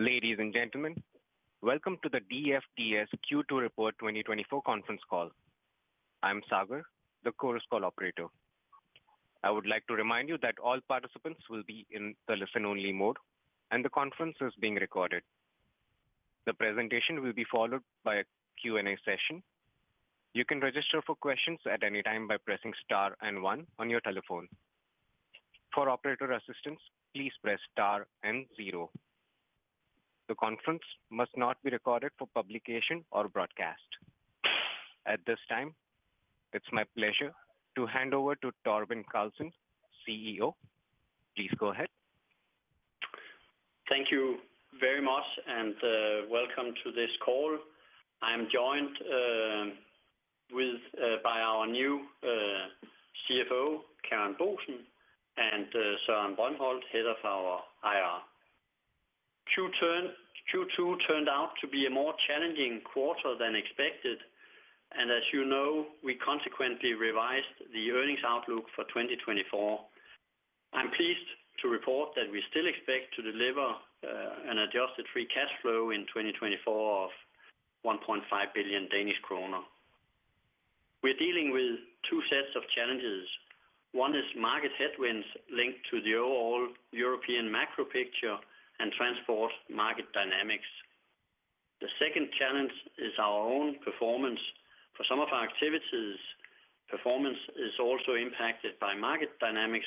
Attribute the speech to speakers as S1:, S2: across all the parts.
S1: Ladies and gentlemen, welcome to the DFDS Q2 Report 2024 conference call. I'm Sagar, the Chorus Call operator. I would like to remind you that all participants will be in the listen-only mode, and the conference is being recorded. The presentation will be followed by a Q&A session. You can register for questions at any time by pressing star and one on your telephone. For operator assistance, please press star and zero. The conference must not be recorded for publication or broadcast. At this time, it's my pleasure to hand over to Torben Carlsen, CEO. Please go ahead.
S2: Thank you very much, and welcome to this call. I'm joined by our new CFO, Karen Boesen, and Søren Brøndholt, head of our IR. Q2 turned out to be a more challenging quarter than expected, and as you know, we consequently revised the earnings outlook for 2024. I'm pleased to report that we still expect to deliver an adjusted free cash flow in 2024 of 1.5 billion Danish kroner. We're dealing with two sets of challenges. One is market headwinds linked to the overall European macro picture and transport market dynamics. The second challenge is our own performance. For some of our activities, performance is also impacted by market dynamics,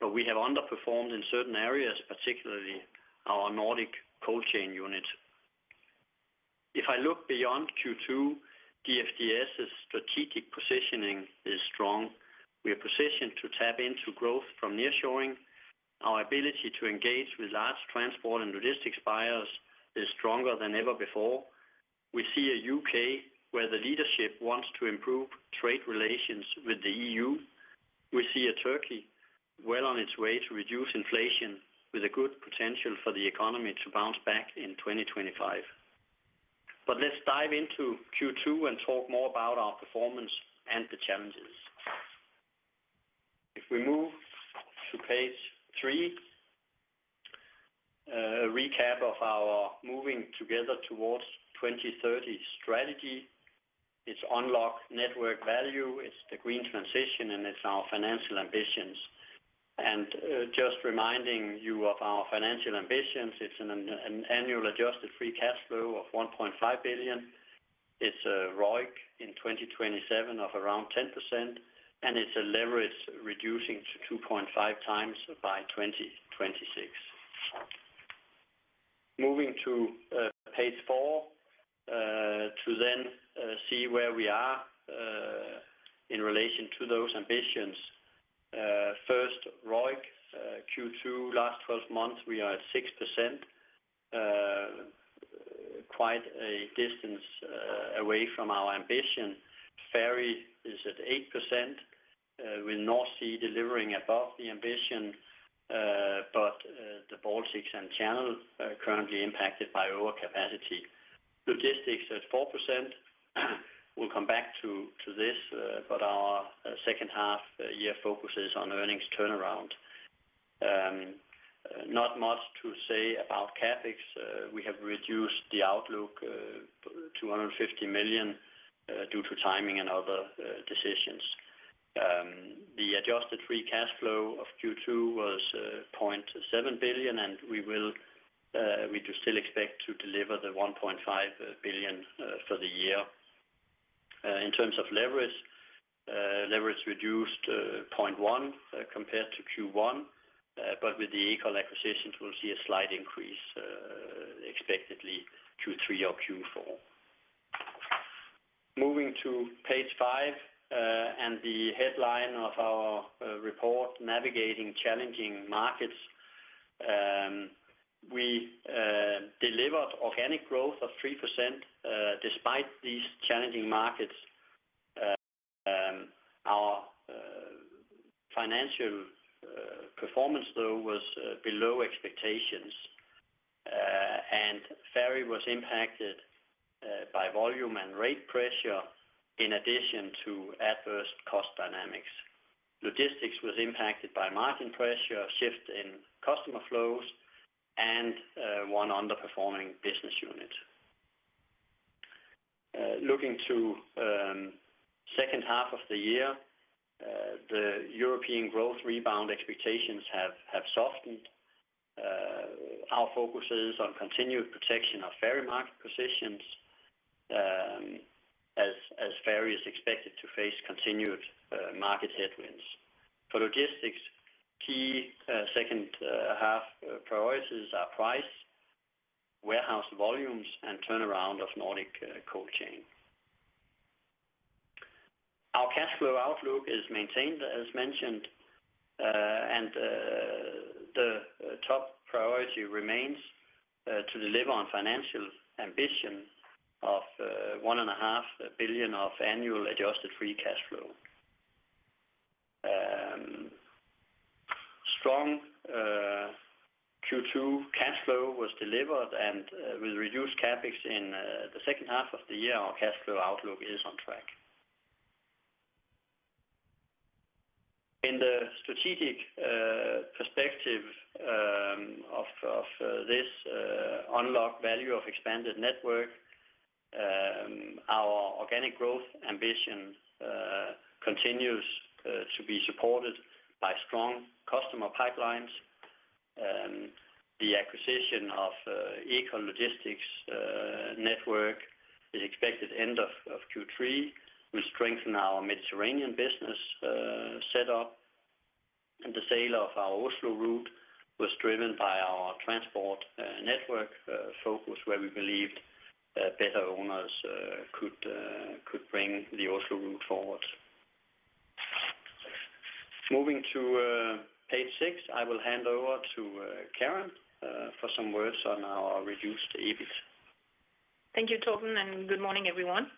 S2: but we have underperformed in certain areas, particularly our Nordic cold chain unit. If I look beyond Q2, DFDS's strategic positioning is strong. We are positioned to tap into growth from nearshoring. Our ability to engage with large transport and logistics buyers is stronger than ever before. We see a U.K. where the leadership wants to improve trade relations with the EU. We see a Turkey well on its way to reduce inflation, with a good potential for the economy to bounce back in 2025. But let's dive into Q2 and talk more about our performance and the challenges. If we move to page 3, a recap of our Moving Together Towards 2030 strategy. It's unlock network value, it's the green transition, and it's our financial ambitions. And just reminding you of our financial ambitions, it's an annual Adjusted Free Cash Flow of 1.5 billion. It's a ROIC in 2027 of around 10%, and it's a leverage reducing to 2.5 times by 2026. Moving to page 4 to then see where we are in relation to those ambitions. First, ROIC, Q2, last twelve months, we are at 6%, quite a distance away from our ambition. Ferry is at 8%, with North Sea delivering above the ambition, but the Baltics and Channel are currently impacted by lower capacity. Logistics at 4%. We'll come back to this, but our second half year focuses on earnings turnaround. Not much to say about CapEx. We have reduced the outlook 250 million due to timing and other decisions. The Adjusted Free Cash Flow of Q2 was 0.7 billion, and we do still expect to deliver the 1.5 billion for the year. In terms of leverage, leverage reduced 0.1 compared to Q1, but with the Ekol acquisitions, we'll see a slight increase expectedly Q3 or Q4. Moving to page 5, and the headline of our report, Navigating Challenging Markets, we delivered organic growth of 3% despite these challenging markets. Our financial performance, though, was below expectations, and Ferry was impacted by volume and rate pressure in addition to adverse cost dynamics. Logistics was impacted by margin pressure, shift in customer flows, and one underperforming business unit. Looking to second half of the year, the European growth rebound expectations have softened. Our focus is on continued protection of ferry market positions, as ferry is expected to face continued market headwinds. For logistics, key second half priorities are price, warehouse volumes, and turnaround of Nordic cold chain. Our cash flow outlook is maintained, as mentioned, and the top priority remains to deliver on financial ambition of 1.5 billion of annual Adjusted Free Cash Flow. Strong Q2 cash flow was delivered, and with reduced CapEx in the second half of the year, our cash flow outlook is on track. In the strategic perspective of this unlocked value of expanded network, our organic growth ambition continues to be supported by strong customer pipelines. The acquisition of Ekol Logistics network is expected end of Q3, will strengthen our Mediterranean business set up. And the sale of our Oslo route was driven by our transport network focus, where we believed better owners could bring the Oslo route forward. Moving to page six, I will hand over to Karen for some words on our reduced EBIT.
S3: Thank you, Torben, and good morning, everyone.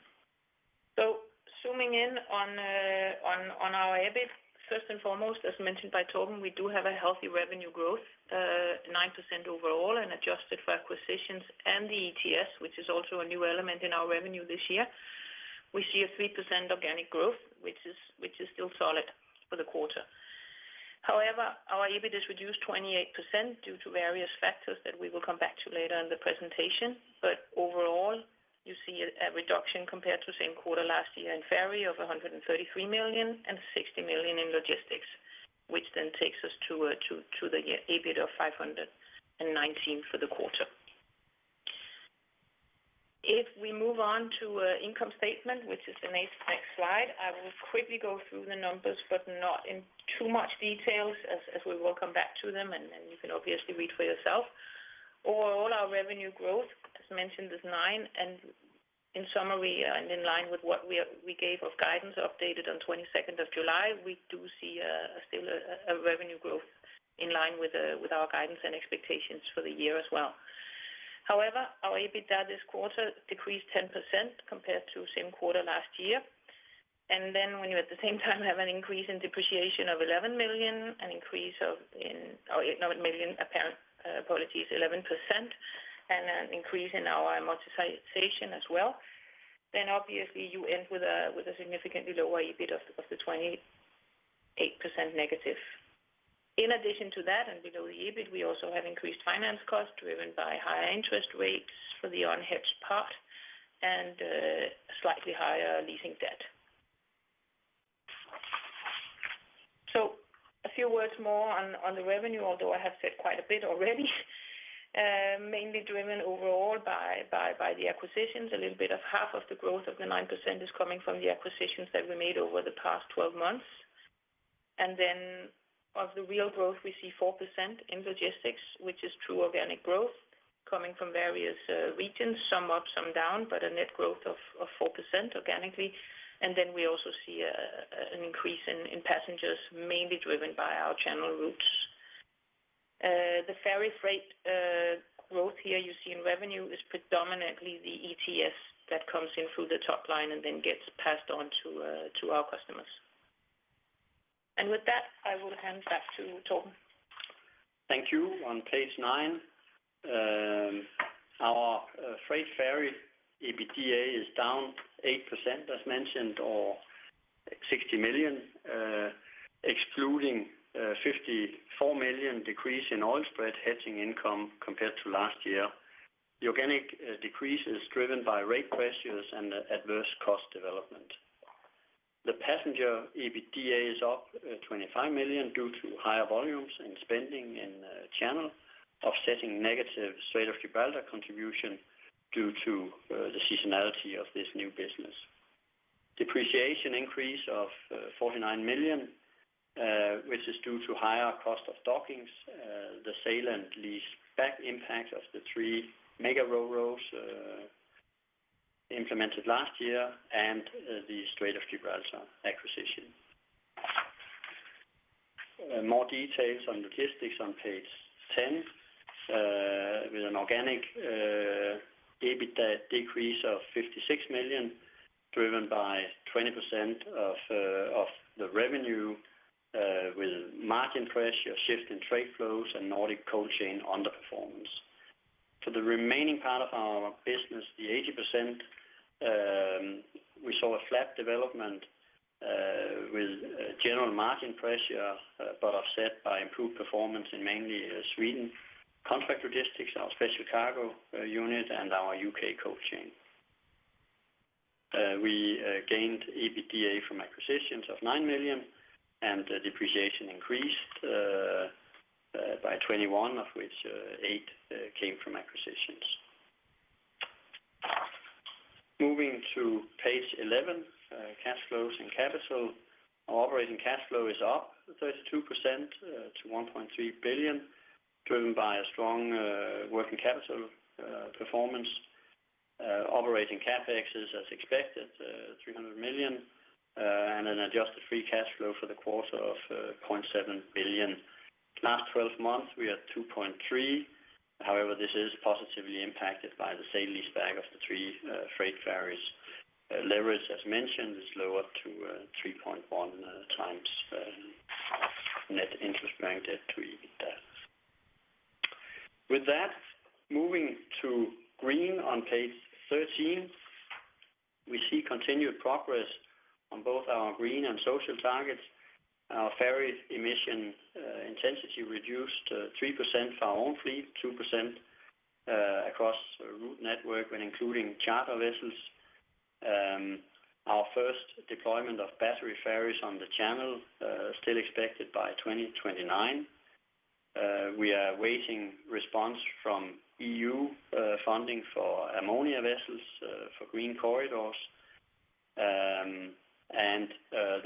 S3: So zooming in on our EBIT, first and foremost, as mentioned by Torben, we do have a healthy revenue growth 9% overall, and adjusted for acquisitions and the ETS, which is also a new element in our revenue this year. We see a 3% organic growth, which is still solid for the quarter. However, our EBIT is reduced 28% due to various factors that we will come back to later in the presentation. But overall, you see a reduction compared to same quarter last year in ferry of 133 million and 60 million in logistics, which then takes us to the EBIT of 519 million for the quarter. If we move on to income statement, which is the next slide, I will quickly go through the numbers, but not in too much details as we will come back to them, and then you can obviously read for yourself. Overall, our revenue growth, as mentioned, is 9%, and in summary, and in line with what we gave of guidance updated on 22nd of July. We do see still a revenue growth in line with our guidance and expectations for the year as well. However, our EBITDA this quarter decreased 10% compared to same quarter last year. And then when you at the same time have an increase in depreciation of 11 million, an increase of in... Oh, eight, no, million apparent, apologies, 11%, and an increase in our amortization as well, then obviously you end with a significantly lower EBIT of the -28%. In addition to that, and below the EBIT, we also have increased finance costs, driven by higher interest rates for the unhedged part and slightly higher leasing debt. So a few words more on the revenue, although I have said quite a bit already. Mainly driven overall by the acquisitions. A little bit of half of the growth of the 9% is coming from the acquisitions that we made over the past 12 months. And then of the real growth, we see 4% in logistics, which is true organic growth coming from various regions, some up, some down, but a net growth of 4% organically. And then we also see an increase in passengers, mainly driven by our Channel routes. The ferry freight growth here you see in revenue is predominantly the ETS that comes in through the top line and then gets passed on to our customers. And with that, I will hand back to Torben.
S2: Thank you. On page 9, our freight ferry EBITDA is down 8%, as mentioned, or 60 million excluding 54 million decrease in oil spread hedging income compared to last year. The organic decrease is driven by rate pressures and adverse cost development. The passenger EBITDA is up 25 million due to higher volumes and spending in channel, offsetting negative Strait of Gibraltar contribution due to the seasonality of this new business. Depreciation increase of 49 million, which is due to higher cost of dockings, the sale and lease back impact of the 3 mega Ro-Ros implemented last year, and the Strait of Gibraltar acquisition. More details on logistics on page 10. With an organic EBITDA decrease of 56 million, driven by 20% of the revenue, with margin pressure, shift in trade flows, and Nordic cold chain underperformance. For the remaining part of our business, the 80%, we saw a flat development, with general margin pressure, but offset by improved performance in mainly Sweden, contract logistics, our special cargo unit, and our U.K. cold chain. We gained EBITDA from acquisitions of 9 million, and the depreciation increased by 21, of which 8 came from acquisitions. Moving to page 11, cash flows and capital. Operating cash flow is up 32% to 1.3 billion, driven by a strong working capital performance. Operating CapEx is as expected, 300 million, and an adjusted free cash flow for the quarter of 0.7 billion. Last twelve months, we had 2.3 billion. However, this is positively impacted by the sale and lease back of the three freight ferries. Leverage, as mentioned, is lower to 3.1 times net interest bank debt to EBITDA. With that, moving to green on page 13, we see continued progress on both our green and social targets. Our ferry emission intensity reduced 3% for our own fleet, 2% across route network when including charter vessels. Our first deployment of battery ferries on the channel still expected by 2029. We are awaiting response from EU funding for ammonia vessels for green corridors.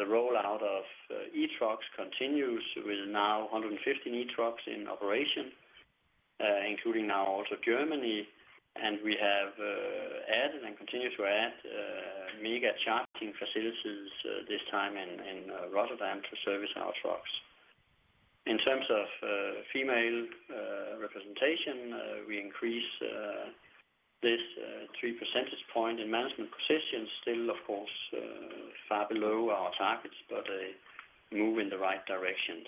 S2: The rollout of e-trucks continues with now 150 e-trucks in operation, including now also Germany. We have added and continue to add mega charging facilities this time in Rotterdam to service our trucks. In terms of female representation, we increase this 3 percentage point in management positions. Still, of course, far below our targets, but a move in the right directions.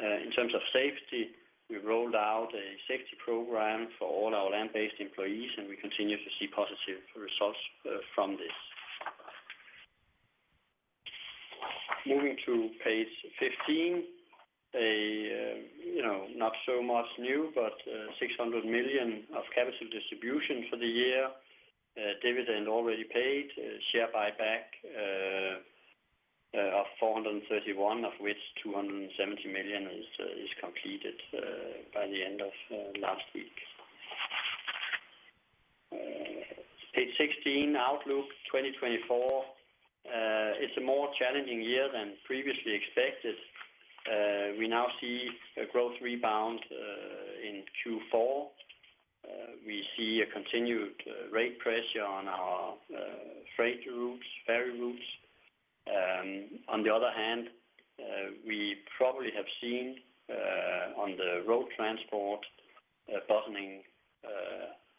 S2: In terms of safety, we've rolled out a safety program for all our land-based employees, and we continue to see positive results from this. Moving to page 15, you know, not so much new, but 600 million of capital distribution for the year. Dividend already paid, share buyback of 431 million, of which 270 million is completed by the end of last week. Page sixteen, outlook 2024. It's a more challenging year than previously expected. We now see a growth rebound in Q4. We see a continued rate pressure on our freight routes, ferry routes. On the other hand, we probably have seen, on the road transport, a bottoming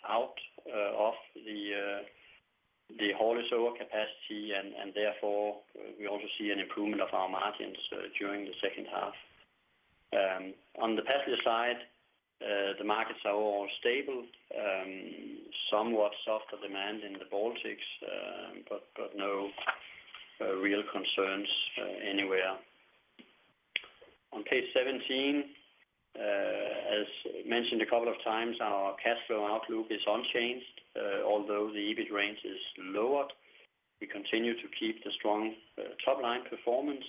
S2: out of the haulage over capacity, and therefore, we also see an improvement of our margins during the second half. On the passenger side, the markets are all stable, somewhat softer demand in the Baltics, but no real concerns anywhere. On page 17, as mentioned a couple of times, our cash flow outlook is unchanged. Although the EBIT range is lowered, we continue to keep the strong top line performance,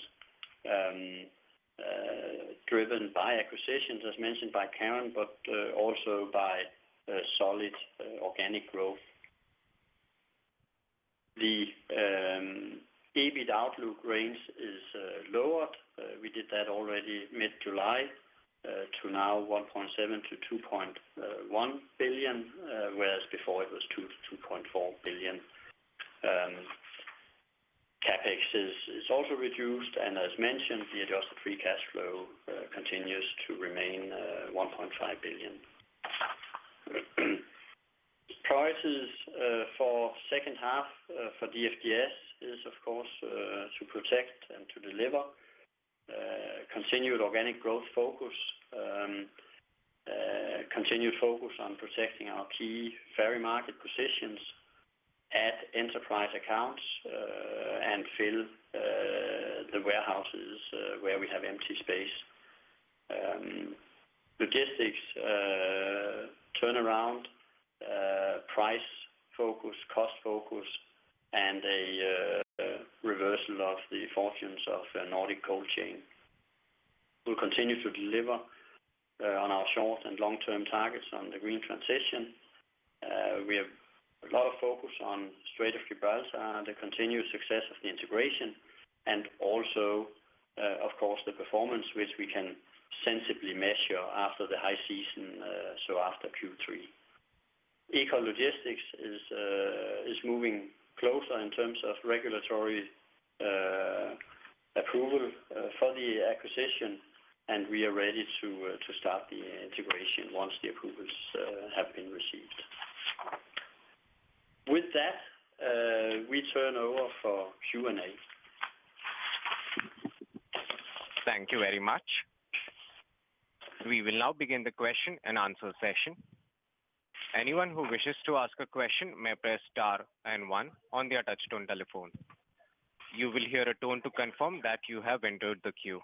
S2: driven by acquisitions, as mentioned by Karen, but also by a solid organic growth. The EBIT outlook range is lowered. We did that already mid-July, to now 1.7 billion-2.1 billion, whereas before it was 2 billion-2.4 billion. CapEx is also reduced, and as mentioned, the adjusted free cash flow continues to remain 1.5 billion. Priorities for second half for DFDS is, of course, to protect and to deliver continued organic growth focus, continued focus on protecting our key ferry market positions, add enterprise accounts, and fill the warehouses where we have empty space. Logistics turnaround, price focus, cost focus, and a reversal of the fortunes of the Nordic cold chain. We'll continue to deliver on our short and long-term targets on the green transition. We have a lot of focus on Strait of Gibraltar, the continued success of the integration, and also, of course, the performance, which we can sensibly measure after the high season, so after Q3. Ekol Logistics is moving closer in terms of regulatory approval for the acquisition, and we are ready to start the integration once the approvals have been received. With that, we turn over for Q&A.
S1: Thank you very much. We will now begin the question and answer session. Anyone who wishes to ask a question may press star and one on their touchtone telephone. You will hear a tone to confirm that you have entered the queue.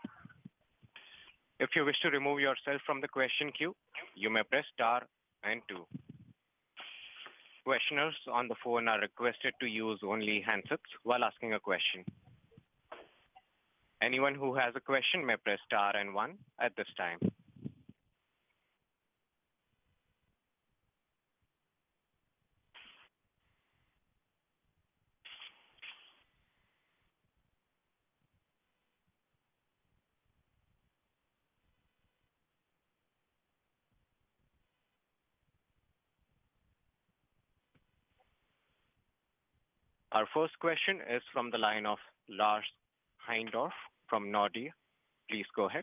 S1: If you wish to remove yourself from the question queue, you may press star and two. Questioners on the phone are requested to use only handsets while asking a question. Anyone who has a question may press star and one at this time. Our first question is from the line of Lars Heindorf from Nordea. Please go ahead.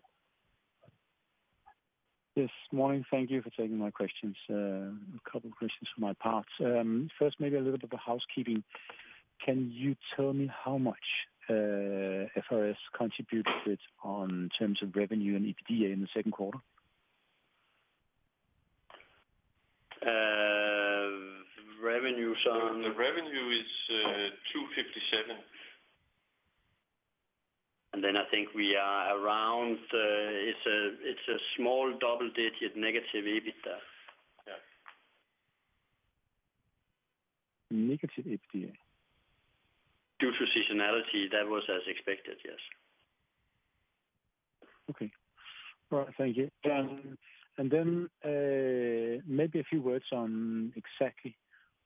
S4: Yes, morning. Thank you for taking my questions. A couple of questions from my part. First, maybe a little bit of housekeeping. Can you tell me how much FRS contributed in terms of revenue and EBITDA in the second quarter?
S2: The revenue is 257. And then I think we are around, it's a, it's a small double-digit negative EBITDA. Yeah.
S4: Negative EBITDA?
S2: Due to seasonality, that was as expected, yes.
S4: Okay. Well, thank you. And then, maybe a few words on exactly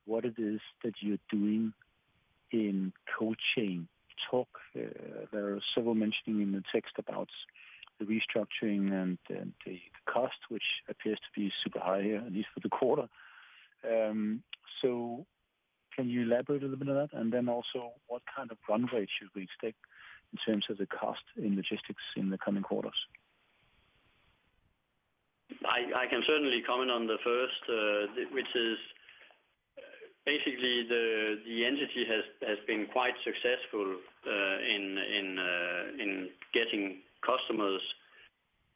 S4: what it is that you're doing in cold chain talk. There are several mentions in the text about the restructuring and, and the cost, which appears to be super high, at least for the quarter. So can you elaborate a little bit on that? And then also, what kind of run rate should we expect in terms of the cost in logistics in the coming quarters?
S2: I can certainly comment on the first, which is basically the entity has been quite successful in getting customers.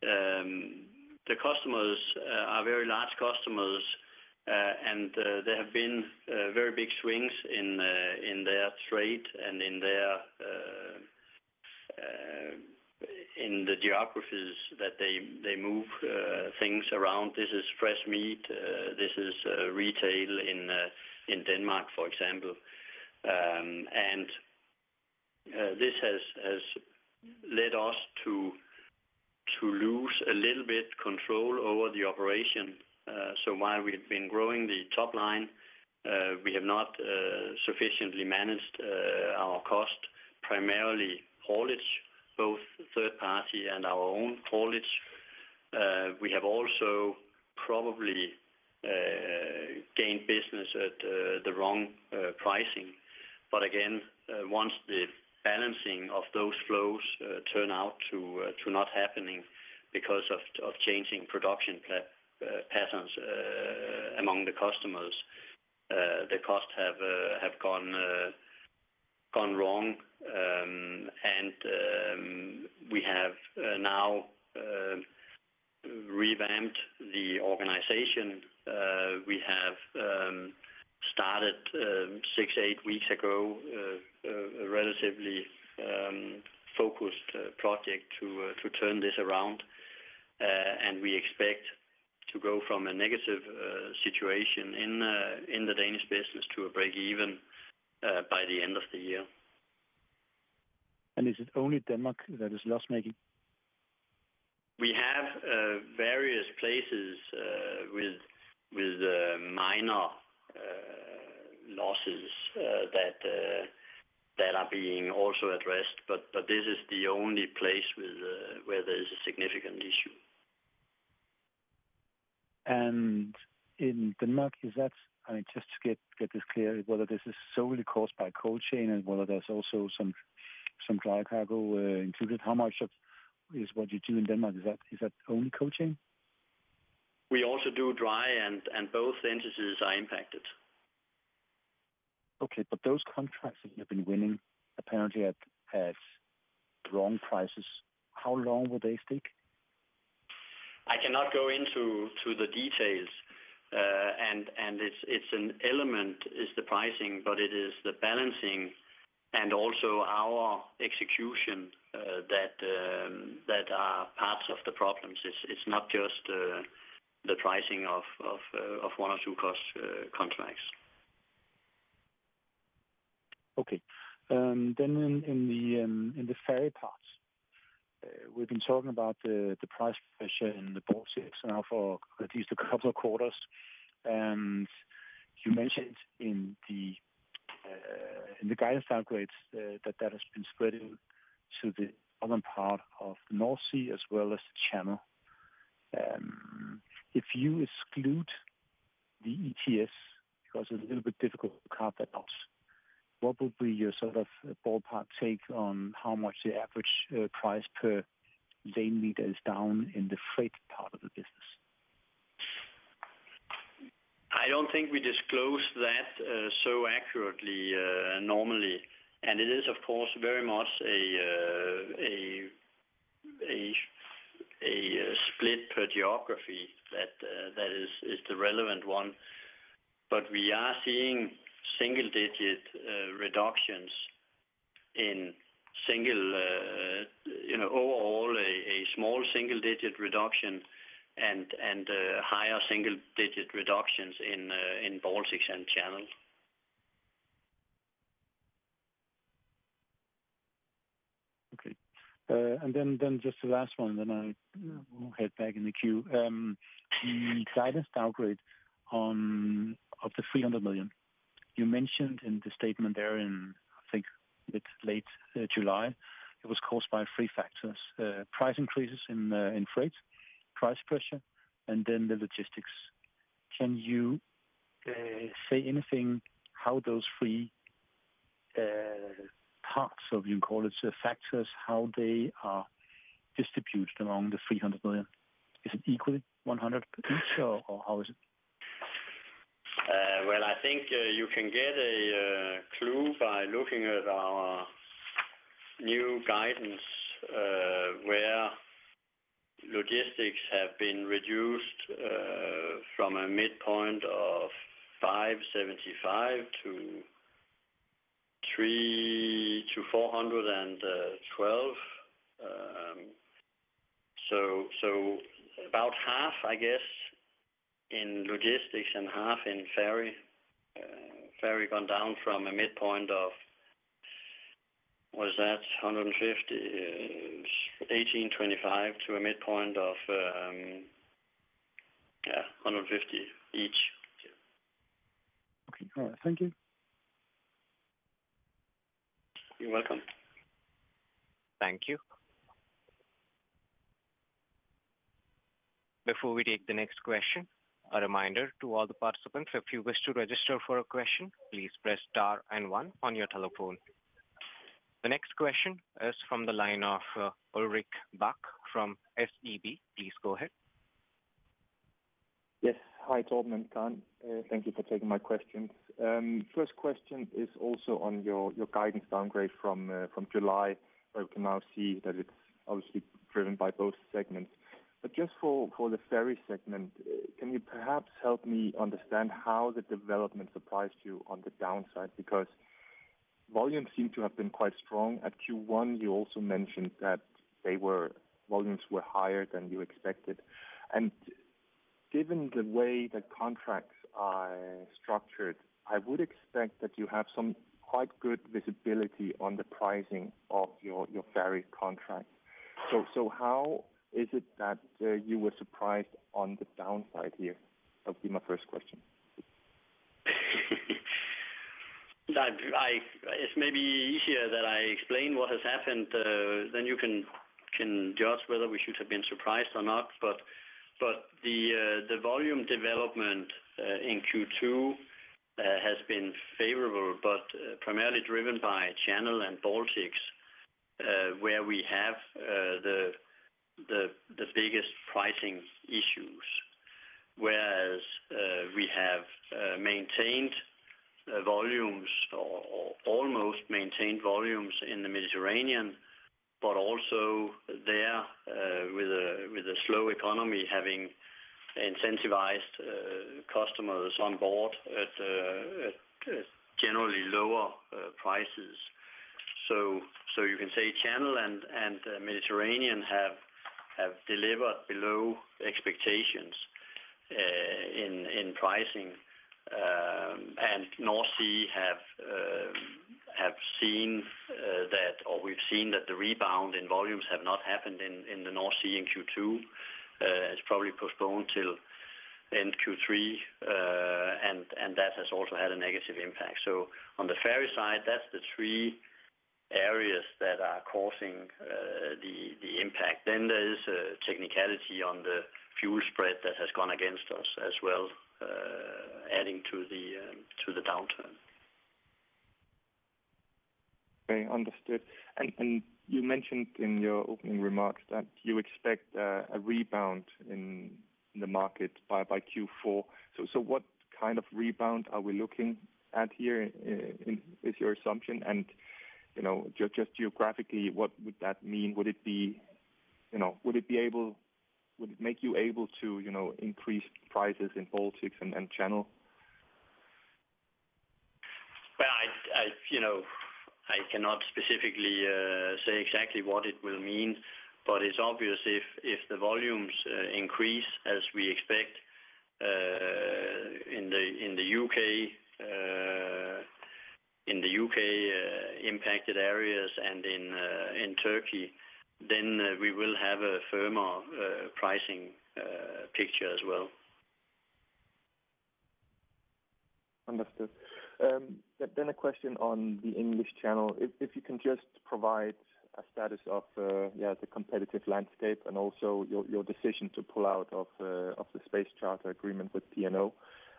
S2: The customers are very large customers, and there have been very big swings in their trade and in the geographies that they move things around. This is fresh meat. This is retail in Denmark, for example. And this has led us to lose a little bit control over the operation. So while we've been growing the top line, we have not sufficiently managed our cost, primarily haulage, both third party and our own haulage. We have also probably gained business at the wrong pricing. But again, once the balancing of those flows turn out to not happening because of changing production patterns among the customers, the costs have gone wrong. We have now revamped the organization. We have started 6-8 weeks ago a relatively focused project to turn this around. And we expect to go from a negative situation in the Danish business to a break even by the end of the year.
S4: Is it only Denmark that is loss-making?
S2: We have various places with minor losses that are being also addressed, but this is the only place where there is a significant issue.
S4: In Denmark, is that... I mean, just to get this clear, whether this is solely caused by cold chain and whether there's also some dry cargo included? How much of is what you do in Denmark, is that, is that only cold chain?
S2: We also do dry and both entities are impacted.
S4: Okay, but those contracts that you've been winning, apparently at wrong prices, how long will they stick?
S2: I cannot go into the details. And it's an element is the pricing, but it is the balancing and also our execution that that are parts of the problems. It's not just the pricing of one or two cost contracts.
S4: Okay. Then in the ferry parts, we've been talking about the price pressure in the Baltic, now for at least a couple of quarters. And you mentioned in the guidance upgrades, that has been spreading to the other part of the North Sea as well as the Channel. If you exclude the ETS, because it's a little bit difficult to cut that loss, what would be your sort of ballpark take on how much the average price per lane meter is down in the freight part of the business?
S2: I don't think we disclose that so accurately normally. And it is, of course, very much a split per geography that that is the relevant one. But we are seeing single digit reductions in single... You know, overall, a small single digit reduction and higher single digit reductions in Baltics and Channel.
S4: Okay. And then, then just the last one, then I head back in the queue. The guidance downgrade on, of the 300 million, you mentioned in the statement there in, I think, mid to late July, it was caused by three factors: price increases in, in freight, price pressure, and then the logistics. Can you say anything how those three parts of, you call it, factors, how they are distributed among the 300 million. Is it equally 100 million each, or, or how is it?
S2: Well, I think you can get a clue by looking at our new guidance, where logistics have been reduced from a midpoint of 575-300-412. So about half, I guess, in logistics and half in ferry. Ferry gone down from a midpoint of (was that 150?) 1,825 to a midpoint of, yeah, 150 each.
S4: Okay, all right. Thank you.
S2: You're welcome.
S1: Thank you. Before we take the next question, a reminder to all the participants, if you wish to register for a question, please press star and one on your telephone. The next question is from the line of, Ulrik Bak from SEB. Please go ahead.
S5: Yes. Hi, Torben and Karen. Thank you for taking my questions. First question is also on your, your guidance downgrade from July, where we can now see that it's obviously driven by both segments. But just for, for the ferry segment, can you perhaps help me understand how the development surprised you on the downside? Because volumes seem to have been quite strong at Q1. You also mentioned that they were, volumes were higher than you expected, and given the way the contracts are structured, I would expect that you have some quite good visibility on the pricing of your, your ferry contract. So, so how is it that you were surprised on the downside here? That would be my first question.
S2: It's maybe easier that I explain what has happened, then you can judge whether we should have been surprised or not. But the volume development in Q2 has been favorable, but primarily driven by Channel and Baltics, where we have the biggest pricing issues. Whereas we have maintained volumes, or almost maintained volumes in the Mediterranean, but also there with a slow economy, having incentivized customers on board at generally lower prices. So you can say Channel and Mediterranean have delivered below expectations in pricing. And North Sea have seen that or we've seen that the rebound in volumes have not happened in the North Sea in Q2. It's probably postponed till end Q3, and that has also had a negative impact. So on the ferry side, that's the three areas that are causing the impact. Then there is a technicality on the fuel spread that has gone against us as well, adding to the downturn.
S5: Okay, understood. And you mentioned in your opening remarks that you expect a rebound in the market by Q4. So what kind of rebound are we looking at here in your assumption? And, you know, just geographically, what would that mean? Would it be, you know, would it be able... Would it make you able to, you know, increase prices in Baltics and Channel?
S2: Well, you know, I cannot specifically say exactly what it will mean, but it's obvious if the volumes increase as we expect in the U.K. impacted areas and in Turkey, then we will have a firmer pricing picture as well.
S5: Understood. Then a question on the English Channel. If you can just provide a status of the competitive landscape and also your decision to pull out of the Slot Charter agreement with P&O,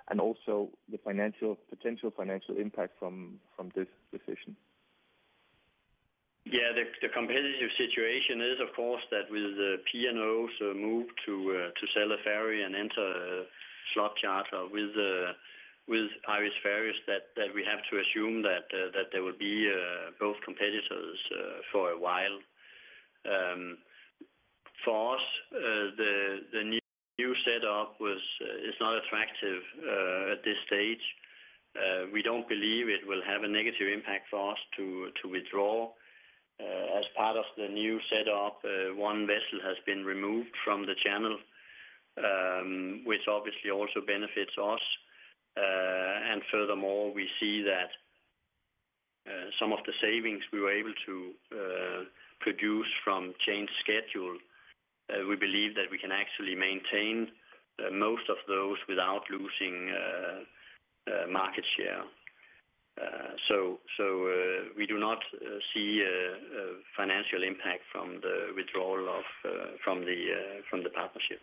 S5: and also the potential financial impact from this decision.
S2: Yeah, the competitive situation is, of course, that with P&O's move to sell a ferry and enter a slot charter with Irish Ferries, that we have to assume that they will be both competitors for a while. For us, the new setup is not attractive at this stage. We don't believe it will have a negative impact for us to withdraw. As part of the new setup, one vessel has been removed from the channel, which obviously also benefits us. And furthermore, we see that some of the savings we were able to produce from changed schedule, we believe that we can actually maintain most of those without losing market share. So, we do not see a financial impact from the withdrawal from the partnership.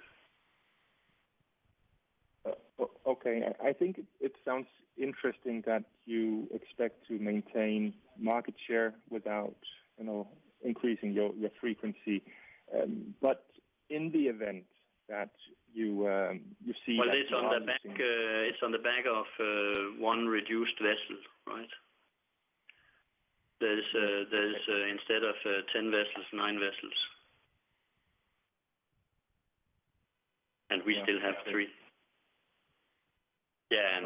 S5: Okay, I think it sounds interesting that you expect to maintain market share without, you know, increasing your frequency. But in the event that you see-
S2: Well, it's on the back of one reduced vessel, right? There's instead of 10 vessels, 9 vessels. And we still have three. Yeah,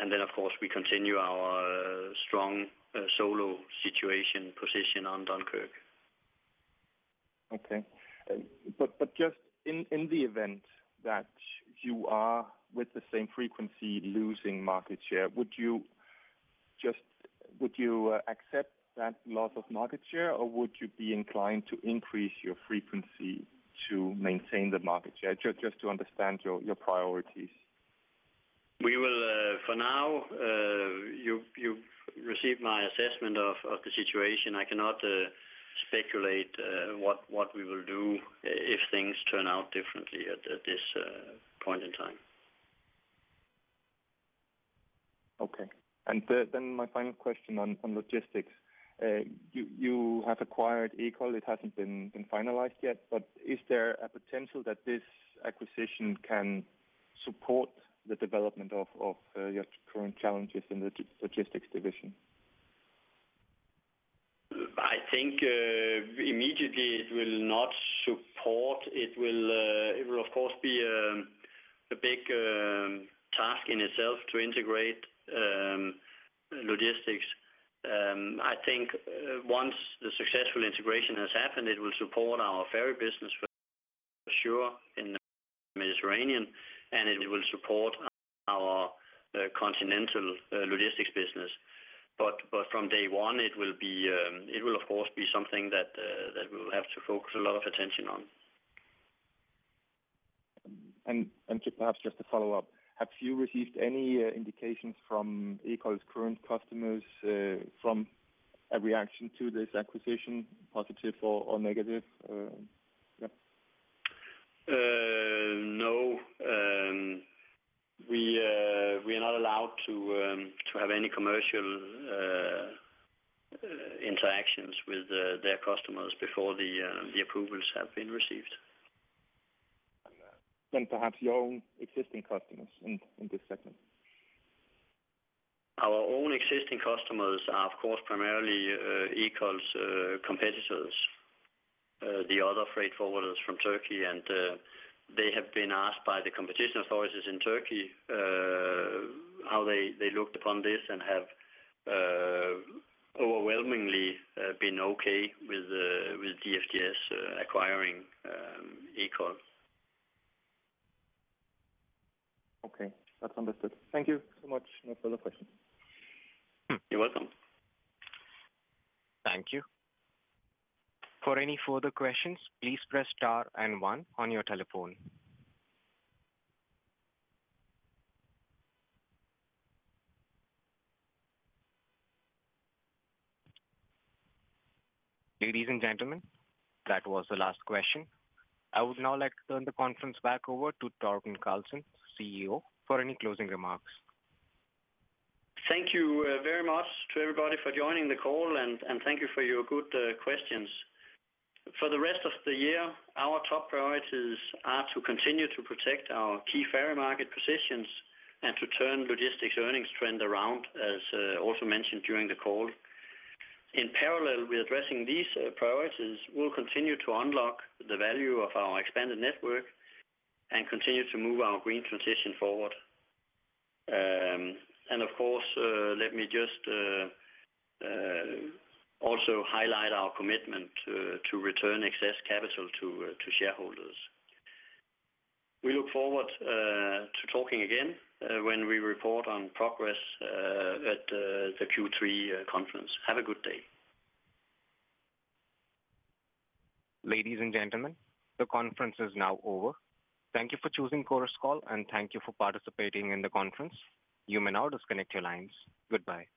S2: and then of course, we continue our strong solo situation position on Dunkirk.
S5: Okay. But just in the event that you are, with the same frequency, losing market share, would you just accept that loss of market share, or would you be inclined to increase your frequency to maintain the market share? Just to understand your priorities.
S2: We will, for now, you've received my assessment of the situation. I cannot speculate what we will do if things turn out differently at this point in time.
S5: Okay. And then my final question on logistics. You have acquired Ekol. It hasn't been finalized yet, but is there a potential that this acquisition can support the development of your current challenges in the logistics division?
S2: I think, immediately it will not support. It will, it will of course be, a big, task in itself to integrate, logistics. I think once the successful integration has happened, it will support our ferry business for sure in Mediterranean, and it will support our continental, logistics business. But, but from day one, it will be, it will, of course, be something that, that we'll have to focus a lot of attention on.
S5: Perhaps just to follow up, have you received any indications from Ekol's current customers from a reaction to this acquisition, positive or negative? Yeah.
S2: No. We are not allowed to have any commercial interactions with their customers before the approvals have been received.
S5: Then perhaps your own existing customers in this segment.
S2: Our own existing customers are, of course, primarily, Ekol's competitors, the other freight forwarders from Turkey. They have been asked by the competition authorities in Turkey, how they looked upon this and have overwhelmingly been okay with DFDS acquiring Ekol.
S5: Okay, that's understood. Thank you so much. No further questions.
S2: You're welcome.
S1: Thank you. For any further questions, please press star and one on your telephone. Ladies and gentlemen, that was the last question. I would now like to turn the conference back over to Torben Carlsen, CEO, for any closing remarks.
S2: Thank you very much to everybody for joining the call, and thank you for your good questions. For the rest of the year, our top priorities are to continue to protect our key ferry market positions and to turn logistics earnings trend around, as also mentioned during the call. In parallel with addressing these priorities, we'll continue to unlock the value of our expanded network and continue to move our green transition forward. And of course, let me just also highlight our commitment to return excess capital to shareholders. We look forward to talking again when we report on progress at the Q3 conference. Have a good day.
S1: Ladies and gentlemen, the conference is now over. Thank you for choosing Chorus Call, and thank you for participating in the conference. You may now disconnect your lines. Goodbye.